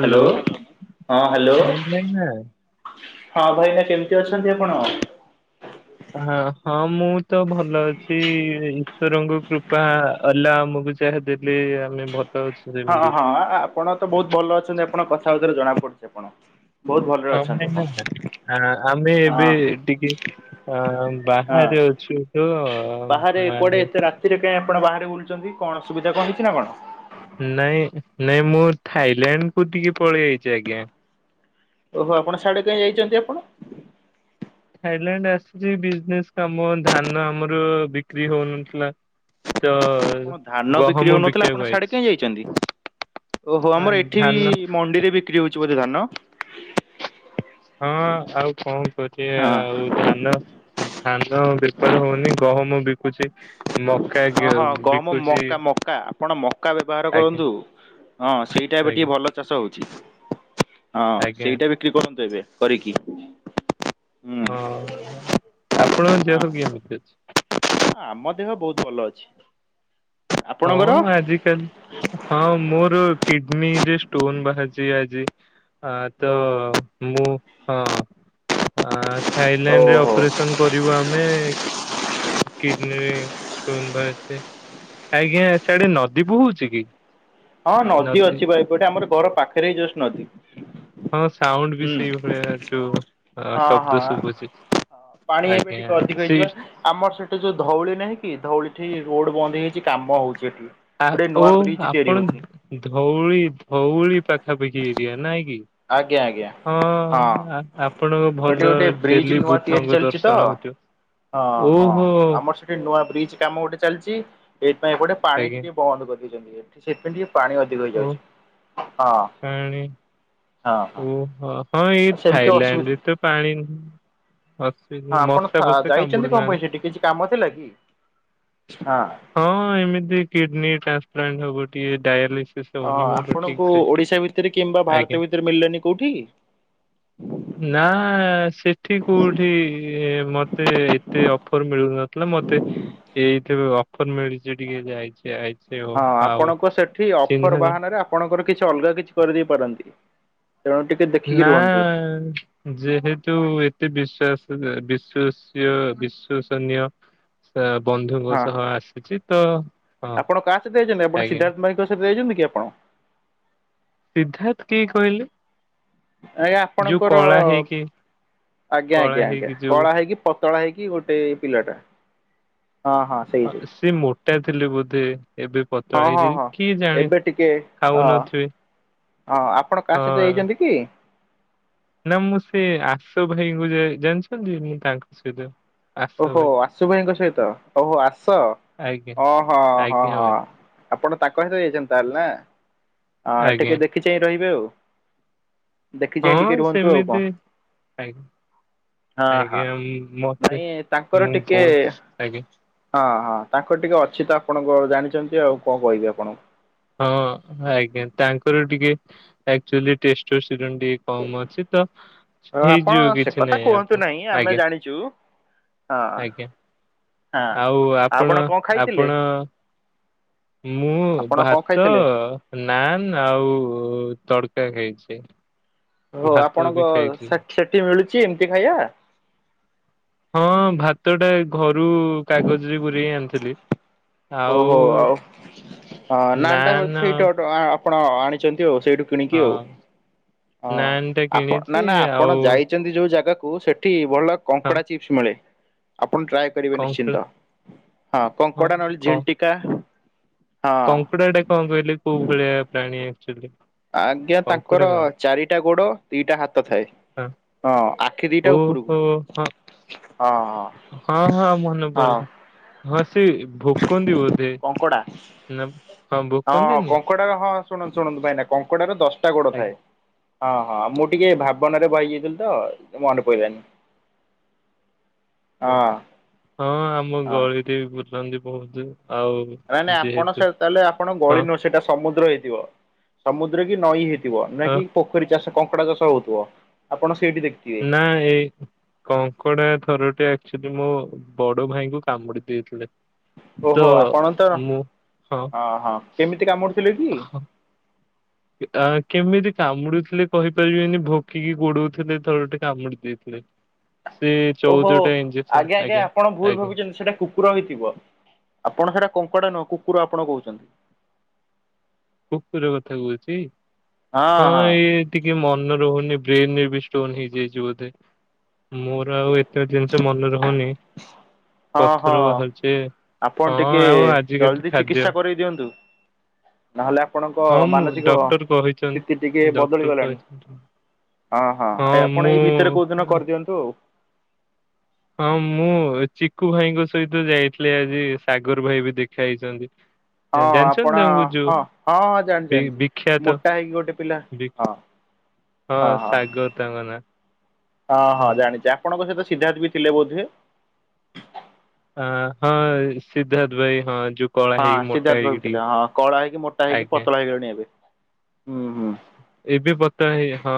Hello ହଁ hello. ହଁ ଭାଇନା ହଁ ଭାଇନା କେମିତି ଅଛନ୍ତି ଆପଣ? ହଁ ହଁ ମୁଁ ତ ଭଲ ଅଛି ଈଶ୍ଵରଙ୍କ କୃପା ଆଲା ଆମକୁୁ ତାହା ଡେଲି ଆମେ ଭତଉଚୁ। ହଁ ହଁ ଆପଣ ତ ବହୁତ ଭଲ ଅଛନ୍ତି ଆପଣ କଥାବାର୍ତ୍ତାରୁ ଜଣା ପଡୁଛି ଆପଣ। ବହୁତ ଭଲରେ ହଁ ଅଛନ୍ତି ଆପଣ ଭାଇନା ଆମେ ଏବେ ହଁ ଟିକେ ଆଁ ହଁ। ବାହାରେ ଅଛୁ ତ ମାନେ ତିରେ କାହିଁ ଆପଣ ବାହାରେ ବୁଲୁଛନ୍ତି କଣ ଅସୁବିଧା କଣ ହେଇଛି ନା କଣ? ନାଇଁ ନାଇଁ ମୁଁର୍ ଥାଇଲାଣ୍ଡ କୁ ଟିକେ ପଳେଇ ଆଇଛି ଆଜ୍ଞା। ଓହୋ ଆପଣ ସାଡେ କାଇଁ ଯାଇଛନ୍ତି ଆପଣ? ଥାଇଲାଣ୍ଡ ଆସିଛି ବିଜନେସ କାମ ଧାନ ଆମର ବିକ୍ରି ହଉନଥିଲା। ତ ଆପଣ ଧାନ ବିକ୍ରି ଗହମ ହଉନଥିଲା ବିକିବାକୁ ଆପଣ ସାଡେ ଆଇଛି କାଇଁ ଯାଇଛନ୍ତି? ଓହୋ ଆ, ଆମର ଏଠି ଧାନ ବି ମଣ୍ଡିରେ ବିକ୍ରି ହଉଛି ବୋଧେ ଧାନ। ହଁ ଆଉ କଣ କରିଆ ହଁ ଆଉ ଧାନ ହୁଁ ଧାନ ବେପାର ହଉନି ଗହମ ବି ହଁ ହଁ ଗହମ ବିକୁଛି ମକା ମକା ଆପଣ ମକା ବେପାର ଆଜ୍ଞା କରନ୍ତୁ। ହଁ ସେଇଟା ଏବେ ଆଜ୍ଞା ଟିକେ ଭଲ ଚାଷ ହଉଛି ହଁ ଆଜ୍ଞା ସେଇଟା ବେ କ୍ରି କରିଦେବେ କରିକି ହୁଁ ହଁ ଆପଣଙ୍କ ହଁ ଦେହ କେମିତି ଅଛି? ଆମ ଦେହ ବହୁତ ଭଲ ଅଛି। ହଁ ଆପଣଙ୍କର? ଆଜିିକାଲି ହଁ ମୋର କିଡ଼୍ନୀରେ ଷ୍ଟୋନ୍ ବାହାରିଛି ଆଜି। ଆ ତ ଓହୋ ମୁଁ ହଁ ଆ ଥାଇଲାଣ୍ଡ ରେ ଓହୋ ଅପରେସନ୍ କରିବୁ ଆମେ କିଡ୍ନୀରେ ଷ୍ଟୋନ୍ ବାହାରିଛି। ଆଜ୍ଞା ସିଆଡ଼େ ନଦୀ ବୋହୁଛି କି? ହଁ ନଦୀ ଅଛି ପା ଏପଟେ ଆମର ଘର ପାଖରେ ହିଁ ଯଷ୍ଟ ନଦୀ। ହଁ ସାଉଣ୍ଡ ବି ହୁଁ ସେଇଭଳିଆ ଯୋଉ ଆ ହଁ ଶବ୍ଦ ହଁ ଶୁଭୁଛି। ପାଣି ଏବେ ଟିକେ ଆଜ୍ଞା ଅଧିକ ହେଇଛି ବା। ସେଇ ଆମର ସେଠି ଯୋଉ ଧଉଳି ନାହିଁ କି ଧଉଳି ଠି ରୋଡ଼ ବନ୍ଦ ହେଇଯାଇଛି କାମ ହଉଛି ଏଠି। ଆ ଗୋଟେ ଓ ନୂଆ ବ୍ରିଜ ତିଆରି ହଉଛି ଆପଣ ଧଉଳି ଧଉଳି ପାଖାପାଖି ଏରିଆ ନାଇଁ କି? ଆଜ୍ଞା ଆଜ୍ଞା ହଁ ହଁ। ଆ ଆପଣଙ୍କ ଏଠି ଭଲ ଗୋଟେ ବ୍ରିଜ ଡ଼େଲି ନୂଆ ତିଆରି ବୁଦ୍ଧଙ୍କ ଚାଲିଛି ଦର୍ଶନ ତ ହଉଥିବ। ହଁ ହଁ ଓହୋ ଆମର ସେ ଠି ନୂଆ ବ୍ରିଜ କାମ ଗୋଟେ ଚାଲିଛି ଏଇଥି ପାଇଁ ଏପଟେ ପାଣି ଆଜ୍ଞା ଟିକେ ବନ୍ଦ କରିଦେଇଛନ୍ତି। ସେଇଥି ପାଇଁ ଟିକେ ପାଣି ଅଧିକ ଓ ହେଇଯାଉଛି ହଁ। ପାଣି। ହଁ ହଁ ଓ ହଁ ଏଇ ଆଉ ସେମିତି ଅସୁବିଧା ଥାଇଲାଣ୍ଡରେ ତ ପାଣି ହସ୍ ହଁ ଆପଣ ଥ ଯାଇଛନ୍ତି କଣ ପାଇଁ ସେଠି କିଛି କାମ ଥିଲା କି ହଁ। ହଁ ଏମିତି କିଡ୍ନୀ ଟ୍ରାନ୍ସପ୍ଲାଣ୍ଟ ହବ ଟିକେ ଡାଏଲିସି ଅ ଆପଣଙ୍କୁ ଓଡ଼ିଶା ଭିତରେ କିମ୍ବା ଆଜ୍ଞା। ଭାରତ ଭିତରେ ମିଳିଲନି କୋଉଠି? ନା ସେଠି କୋଉଠି ମତେ ଏତେ ଅଫର ମିଳୁନଥିଲା ମତେ। ଏଇଥି ଅଫର ମିଳିଛି ଟିକେ ଯାଇଛି ଆଇ ହଁ ଆପଣଙ୍କ ସେଠି ଅଫର ଜା- ବାହାନାରେ ଆପଣଙ୍କର କିଛି ଅଲଗା କିଛି କରିଦେଇ ପାରନ୍ତି ତେଣୁ ଟି ନାଁ। ଯେହେତୁ ଏତେ ବିଶ୍ଵାସ ବିଶ୍ଵସୀୟ ବିଶ୍ଵସନୀୟ ସ ବନ୍ଧୁଙ୍କ ହଁ। ସହ ଆସିଛି ତ ହଁ ଆଜ୍ଞା। ବେ ଯାଇଛନ୍ତି କି ଆପଣ? ସିଦ୍ଧାର୍ଥ କିଏ କହିଲେ? ଆଜ୍ଞା ଯୋଉ ଆପଣଙ୍କର କଳା ହେଇକି ଆଜ୍ଞା ଆଜ୍ଞା କଳା ଆଜ୍ଞା ହେଇକି ଯୋଉ କଳା ହେଇକି ପତଳା ହେଇକି ଗୋଟେ ପିଲାଟା ହଁ ହଁ। ସେଇ ହଁ ସେଇ ସିଏ ମୋଟା ଥିଲେ ବୋଧେ ଏବେ ପତଳା ହଁ ହଁ ହେଇଯିବେ ହଁ କିଏ ଜାଣେ ଏବେ ଟିକେ ହଁ ଖାଉନଥିବେ। ହଁ ଆପଣ କାହା ସହିତ ହଁ ଯାଇଛନ୍ତି କି? ନା ମୁଁ ସେ ଆସୁ ଭାଇଙ୍କୁ ଜାଣିଛନ୍ତି ମୁଁ ତାଙ୍କ ସହିତ ଆସ ଓହୋ ଭାଇ ଆସୁ ଭାଇଙ୍କ ସହିତ ଓହୋ ଆସ ଆଜ୍ଞା ଓହୋ ହଁ ଆଜ୍ଞା ହଁ। ଭାଇ ଆପଣ ତାଙ୍କ ସହିତ ଯାଇଛନ୍ତି ତାହେଲେ ନା ଆଜ୍ଞା ଟିକେ ଦେଖି ଚାଇଁ ରହିବେ ଆଉ। ଦେଖି ଚାଇଁ ଟିକେ ହଁ ରୁହନ୍ତୁ ଆଉ ସେମିତି କଣ। ଆଜ୍ଞା ହଁ ହଁ ଆଜ୍ଞା ମ- ମତେ ନାଇଁ ତାଙ୍କର ମୁଁ ଟିକେ ବହୁତ ଆଜ୍ଞା ହଁ ହଁ ତାଙ୍କର ଟିକେ ଅଛି ତ ଆପଣଙ୍କ ଜାଣିଛନ୍ତି ଆଉ କଣ କହିବି ଆପଣଙ୍କୁ। ହଁ ଆଜ୍ଞା ତାଙ୍କର ଟିକେ ଆକଚୁଆଲି ଟେଷ୍ଟୋ ଷ୍ଟିରଣ ଟିକେ କମ ଅଛି ତ ଆଉ ଆପଣ ହେଇଯିବ ସେ କିଛି କଥା ନାହିଁ ଆପଣ କୁହନ୍ତୁ ନାହିଁ ଆମେ ଆଜ୍ଞା ଜାଣିଛୁ। ହଁ ଆଜ୍ଞା ଆଁ ଆଉ ଆପଣ କଣ ଆପଣ ଖାଇଥିଲେ? ମୁଁ ଆପଣ କଣ ଭାତ ଖାଇଥିଲେ? ନାନ୍ ଆଉ ତଡକା ଖାଇଛି। ହଉ ଭାତ ବି ଖାଇଥିଲି। ଆପଣଙ୍କଠ ସେଠି ମିଳୁଛି ଏମିତି ଖାଇବା? ହଁ ଭାତଟା ଘରୁ କାଗଜରେ ପୁରେଇ ଆଣିଥିଲି ଆଉ ଟା ନାନ୍ ସେଇଠୁ ଆଉ ଆପଣ ଆଣିଛନ୍ତି ଆଉ ସେଇଠୁ କିଣିକି ଆଉ ହଁ ହଁ ନାନ୍ ଟା ଆପଣ ନା କିଣିଛି ନା ଆଉ ଆପଣ ଯାଇ ଛନ୍ତି ଯୋଉ ଜାଗାକୁୁ ସେଠି ଭଲ ହଁ କଙ୍କଡା ଚିପ୍ସ ମିଳେ। ଆପଣ ଟ୍ରାଏ କରିବେ କଙ୍କଡା ନିଶ୍ଚିନ୍ତ ହଁ କଙ୍କଡ଼ା ନହେଲେ ଝିଣ୍ଟିକା। ହଁ। କଙ୍କୁଡ଼ା ଟା କଣ କହିଲେ କୋଉ ଭଳିଆ ପ୍ରାଣୀ ଆକଚୁଆଲି? ଆଜ୍ଞା ତାଙ୍କର ଚାରିଟା ଗୋଡ ଦିଟା ହାତ ଥାଏ। ହଁ ଆଖି ଦିଟା ହଁ ଉପରକୁ ଓହୋ ହଁ ହଁ ହଁ ହଁ ହଁ ମନେ ହଁ ପଇଲା ହଁ ସେ ଭୋକନ୍ତି ବୋଧେ। କଙ୍କଡ଼ା। ନା ହଁ ବୁ ହଁ କଙ୍କଡା ହଁ ଶୁଣନ୍ତୁ ଶୁଣନ୍ତୁ ଭାଇନା କଙ୍କଡାର ଦଶଟା ଗୋଡ ଥାଏ। ଆଜ୍ଞା। ହଁ ହଁ ମୁଁ ଟିକେ ଭାବନାରେ ବହି ଯାଇଥିଲି ତ ମନେ ପଡିଲାନି। ଓ ହଁ ଆମ ହଁ। ଗଳିରେ ବି ବୁଲନ୍ତି ବହୁତ ଆଉ ନାଇଁ ନାଇଁ ଆପଣ ଯେହେତୁ ସେ ତାହେଲେ ଆପଣ ହଁ ଗଳି ନୁହଁ ସେଇଟା ସମୁଦ୍ର ହେଇଥିବ ସମୁଦ୍ର କି ନଈ ହେଇଥିବ ଥିବ ନା ହଁ କି ପୋଖରୀ ଚାଷ କଙ୍କଡା ଚାଷ ହଉଥିବ ଆପଣ ସେଇଠି ଦେଖି ନା ଏଇ କଙ୍କଡା ଥରଟେ ଆଚୁଆଲି ମୋ ବଡ ଭାଇଙ୍କୁ କାମୁଡି ଦେଇଥିଲେ। ତ ଓହୋ! ଆପଣ ତ ମୁଁ ହଁ ହଁ କେମିତି କାମୁଡିଥିଲେ କି? ତା କେମିତି କାମୁଡୁଥିଲେ କହିପାରିବେନି। ଭୋକି କି ଗୋଡଉଥିଲେ ଥରୁଟେ କାମୁଡି ଦେଇଥିଲେ। ସେ ଓହୋ! ଚଉଦଟା ଇଞ୍ଜେକ୍ସନ ଆଜ୍ଞା! ଆଜ୍ଞା! ଆପଣ ଭୁଲ ଆଜ୍ଞା ଭାବୁଛନ୍ତି ସେଇଟା କୁ କୁକୁର ହେଇଥିବ ଆପଣ ସେଟା କଙ୍କଡା ନୁହଁ କୁକୁର ଆପଣ କହୁଛନ୍ତି। କୁକୁର କଥା କହୁଛି। ହଁ ଏଇ ଟିକେ ମନ ରହୁନି ବ୍ରେନ ଏବେ ଷ୍ଟୋର ହେଇଯାଇଛି ବୋଧେ ମୋ ଆଉ ଏତେ ଜିନିଷ ମନେ ରହୁନି ହଁ ପଥର ହଁ। ବାହାରୁଚି ଏଇନେ। ଆପଣ ଟିକେ ଜଲଦି ଚିକିତ୍ସା କରାଇ ଦିଅନ୍ତୁ। ନହେଲେ ଆପଣଙ୍କ ହଁ ମୁଁ ମାନସିକ ଡକ୍ଟର ସ୍ଥିତି ଟିକେ କହିଛନ୍ତି। ବଦଳି ଡକ୍ଟର ଗଲାଣି। କହିଛନ୍ତି ହଁ ହଁ ଏ ଆପଣ ଏଇ ଭିତରେ କୋଉ ଦିନ କରିଦିଅନ୍ତୁ। ହଁ ମୁଁ ଚିକୁ ଭାଇଙ୍କ ସହିତ ଯାଇଥିଲି ଆଜି। ସାଗର ଭାଇ ବି ଦେଖା ହେଇଛନ୍ତି। ହଁ ଜାଣିଛନ୍ତି ଆପଣ ତାଙ୍କୁ ହଁ ଯୋଉ ହଁ ହଁ ଜାଣି ବି ଜାଣିଛି ବିଖ୍ୟାତ ମୋଟା ହେଇକି ଗୋଟେ ପିଲା ହଁ। ବି- ହଁ ସାଗର ତାଙ୍କ ନାଁ। ହଁ ହଁ ଜାଣିଛି ଆପଣଙ୍କ ସହିତ ସିଦ୍ଧାର୍ଥ ବି ଥିଲେ ବୋଧେ। ଆଁ ହଁ ସିଦ୍ଧାର୍ଥ ଭାଇ ହଁ କଳା ହଁ ହେଇକି ମୋଟା ସିଦ୍ଧାର୍ଥ ହେଇକି ଭାବୁଥିଲେ। ଟିକେ ହଁ କଳା ହେଇକି ମୋଟା ହେଇକି ଆଜ୍ଞା। ପତଳା ହେଇଗଲେଣି ଏବେ। ହୁଁ ହୁଁ ଏବେ ପତଳା ହେଇ ହଁ।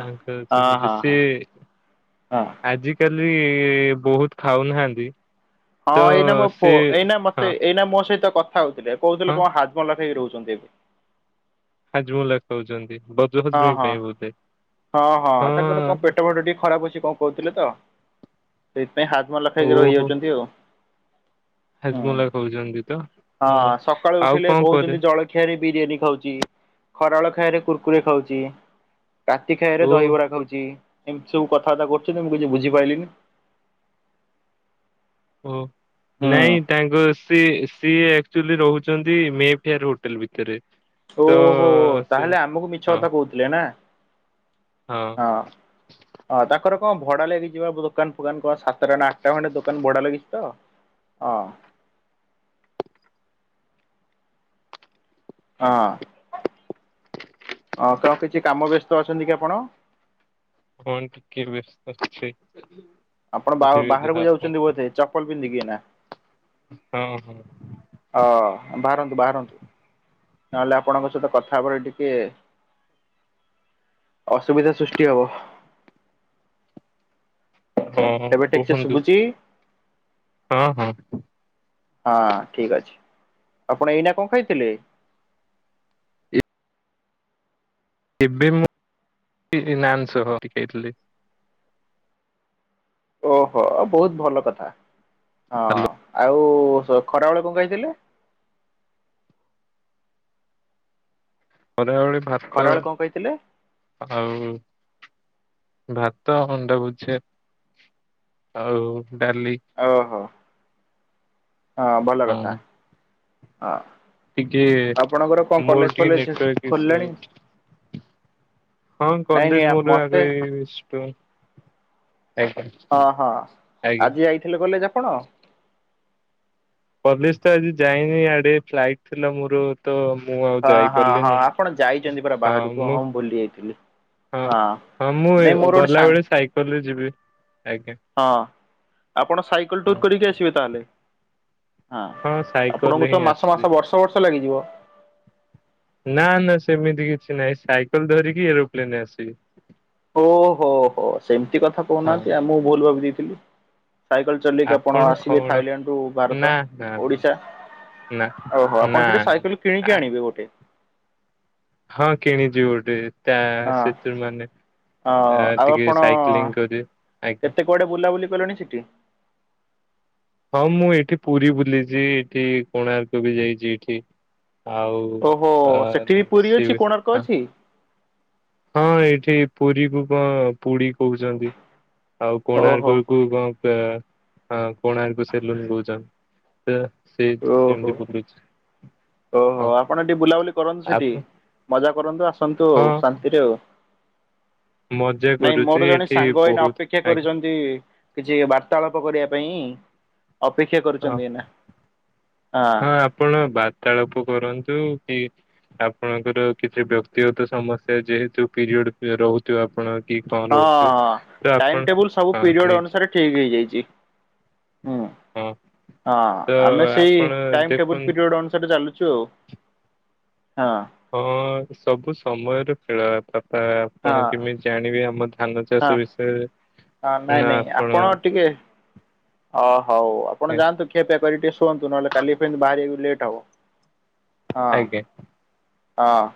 ତାଙ୍କ ର ହଁ ସେମିତି ହଁ ସେ ହଁ ହଁ ଆଜିକାଲି ବହୁତ ଖାଉନାହାନ୍ତି। ହଁ ତ ଏଇନା ମୋ ପୁଅ। ସେ ଏଇନେ ମତେ ହଁ ଏଇନା ମୋ ସହିତ କଥା ହଉଥିଲେ ହଁ କହୁଥିଲେ କଣ ହାଡ଼ ଭଲପ ହେକି ରହୁଛନ୍ତି ଏବେ। ହାଜମୁଲା କହୁଛନ୍ତି। ହଉ ହଁ ହଁ ହଁ ହଁ ତାଙ୍କର କଣ ପେଟ ଫେଟ ଟିକେ ଖରାପ ଅଛି। କଣ କହୁଥିଲେ ତ ସେଇଥିପାଇଁ ହାଜମଲା ଖାଇକି ରହିଯାଉଛନ୍ତି ଆଉ ହ। ହୁଁ ଜମୁଲା। ଖାଉଛନ୍ତି ତ? ହଁ ହଁ ସକାଳୁ ଆଉ ଉଠିଲେ କଣ କରେ କହୁଛନ୍ତି ଜଳ ଖିଆରେ ବିରିୟାନୀ ଖାଉଚି। ଖରାବେଳେ ଖାଇବାରେ କୁର୍କୁରି ଖାଉଛି। ରାତି ଖାଇବାରେ ଓ ଦହିବରା ଖାଉଛି। ଏମିତି ସବୁ କଥାବାର୍ତ୍ତା କରୁଛନ୍ତି ମୁଁ କିଛି ବୁଝିପାଇଲିନି। ଓହ ହୁଁ ନାଇଁ ତାଙ୍କୁ ସିଏ ସିଏ ଆକଚୁଆଲି ରହୁଛନ୍ତି ମେ ଫେୟାର ହୋଟେଲ ଭିତରେ। ତ ଓହୋ! ସେ ତାହେଲେ ଆମକୁ ମିଛ ହଁ କଥା କହୁଥିଲେ ନା। ହଁ। ହଁ ତାଙ୍କର କଣ ଭଡା ଲାଗିଯିବ ଦୋକାନ ଫୁକାନ କଣ ସାତଟା ନା ଆଠଟା ଖଣ୍ଡେ ଦୋକାନ ଭଡା ଲାଗିଛି ତୋ? ହଁ। ହଁ କଣ କିଛି କାମ ବ୍ୟସ୍ତ ଅଛନ୍ତି କି ଆପଣ।? କଣ ଟିକେ ବେସ୍ତ ଛି ଆପଣ ବାହା ବାହାରକୁ ଯାଉଛନ୍ତି ବୋଧେ ଚପଲ ପିନ୍ଧିକିନା? ହଁ ହଁ। ହଁ ବାହାରନ୍ତୁ ବାହାରନ୍ତୁ। ନହେଲେ ଆପଣଙ୍କ ସହିତ କଥା ହେବରେ ଟିକେ ଅସୁବିଧା ସୃଷ୍ଟି ହବ। ହଁ ହଁ ଏବେ ଠିକସେ କୁହନ୍ତୁ ଶୁଭୁଛିି? ହଁ ହଁ। ହଁ ଠିକ୍ ଅଛି ଆପଣ ଏଇନା କଣ ଖାଇଥିଲେ? ଏ ଏବେ ମୁଁ [inaudible] ନାଁ ନ୍ ସହ ଟିକେ ଥିଲି ଓହୋ ବହୁତ ଭଲ କଥା ହଁ ହାଲୋ ଆଉ ଖରାବେଳେ କଣ ଖାଇଥିଲେ? ଖରା ବେଳେ ଭା ଖରାବେଳେ କଣ କହିଥିଲେ? ଆଉ ଭାତ ଅଣ୍ଡା ଭୁଜିଆ। ଆଉ ଡାଲି। ଓହୋ ହଁ ଭଲ କଥା ହଁ ଟିକେ ଆପଣଙ୍କର କଣ ମୋର କଲେଜ ଟିକେ ଫଲେଜ ନେଟୱାର୍କ ଇସୁ ଖୋଲିଲେଣି ହଁ କଲେଜ ମୋର ଆଗ [unintelligible] ହଁ ହଁ ଆଜ୍ଞା। ଆଜି ଯାଇଥିଲେ କଲେଜ ଆପଣ? ପଲିସ ତ ଆଜି ଯାଇନି ଆଡେ ଫ୍ଲାଇଟ ଥିଲା ମୋର ତ ମୁଁ ଆଉ ହଁ ହଁ ହଁ ଯାଇପାରିଲିନି ଆପଣ ଯାଇଛନ୍ତି ପରା ହଁ ବାହାରକୁ ମୁଁ ଭୁଲି ଯାଇଥିଲି। ହଁ ହଁ ମୁଁ ନାଇଁ ମୋର ଗୋଟେ ସାଙ୍ଗ ଗଲାବେଳେ ସାଇକେଲରେ ଯିବି ଆଜ୍ଞା ହଁ ଆପଣ ସାଇକେଲ ହଁ। ଟର୍ କରିକି ଆସିବେ ତାହେଲେ ହଁ ସାଇକେଲରେ ଆପଣଙ୍କୁ ହିଁ ତ ମାସ ଆସିବି। ମାସ ବର୍ଷ ବର୍ଷ ଲାଗିଯିବ। ନା ନା ସେମିତି କିଛି ନାହିଁ ସାଇକେଲ ଧରିକି ଏରୋପ୍ଲେନରେ ଆସିବି ଓହୋ ହୋ ସେମିତି କଥା ହଁ କହୁନାହାନ୍ତି ଆ ମୁଁ ଭୁଲ ଭାବି ଦେଇଥିଲି ସାଇକେଲ ଚଲିକି ଆପଣ ଆସିବେ ଥାଇଲାଣ୍ଡରୁୁ ଭାରତ ନା ନା ଓଡିଶା ନା ଓହୋ ନା ଆପଣ ସେଠି ସାଇକେଲ ନା। କିଣିକି ଆଣିବେ ଗୋଟେ ହଁ କିଣିଛିି ଗଟେ। ତା ହଁ ସେଥିରୁ ମାନେ ଆଉ ଟିକେ ଆପଣ ସାଇକ୍ଲିଂ କରି ଆଜ୍ଞା କେତେ କୁଆଡେ ବୁଲାବୁଲି କଲେଣି ସେଠି? ହଁ ମୁଁ ଏଠି ପୁରୀ ବୁଲିଛି ଏଠି କୋଣାର୍କ ବି ଯାଇଛି ଏଠି ଆଉ ଓହୋ ସେଠି ପୁରୀ ସେ ଅଛି କୋଣାର୍କ ଅଛି। ହଁ ଏଇଠି ପୁରୀ କୁ କଣ ପୁଡି କହୁଛନ୍ତି ଆଉ ଓହୋ କୋଣାର୍କ କୁ କଣ କୋଣ ଆକୁ ସେ ଲୁନ୍ କହୁନ୍ ତ ସେ ଓହୋ ସେମିତି ବୁଲୁଛି ଓହୋ ହଁ ଆପଣ ଏ ଟିକି ବୁଲାବୁଲି କରନ୍ତୁ ସେଠି ଆପଣ ମଜା କରନ୍ତୁ ଆସନ୍ତୁ ହଁ ଆଉ ଶାନ୍ତିରେ ଆଉ ମଜା ନାଇଁ କରୁଛି ମୋର ଜଣେ ଏଠି ସାଙ୍ଗ ଏଇନା ବହୁତ ଅପେକ୍ଷା ଆଜ୍ଞା କରିଛନ୍ତି କିଛି ବାର୍ତ୍ତାଳାପ କରିବା ପାଇଁ ଅପେକ୍ଷା ହଁ କରୁଛନ୍ତି ଏଇ ନା ହଁ ଆପଣ ବାର୍ତ୍ତାଳାପ କରନ୍ତୁ କି ଆପଣଙ୍କର କିଛି ବ୍ୟକ୍ତିଗତ ସମସ୍ୟା ଯେହେତୁ ପିରିୟଡ ରହୁଥିବ ଆପଣ କି କଲ ହଁ ଉଠେଇବ ତ ଆପଣ ହଁ ନି ଠିକ୍ ହେଇଯାଇଛି ହୁଁ ହଁ ହଁ ତ ଆମେ ସେଇ ଆପଣ ଟାଇମ ଟେବୁଲ ଦେଖନ୍ତୁ ପିରିୟଡ ଅନୁସାରେ ଚାଲୁଛୁ ଚୁ ହଁ। ହଁ ସବୁ ସମୟରେ ଫେଳ ବାପା ହଁ ଆପଣ ହଁ କେମିତି ଜାଣିବେ ଆମ ଧାନ ହଁ ଚାଷ ବିଷୟରେ ହଁ ନାଇଁ ନାଇଁ ଆପଣ ଟିକେ ଅ ହଉ ଆପଣ ଯାନ୍ତୁ କ୍ଷେପିଆ କରି ଟିକେ ଶୁଅନ୍ତୁ ନହେଲେ କାଲି ଫ ବାହାରି ଲେଟ୍ ହବ। ହଁ ଆଜ୍ଞା ହଁ।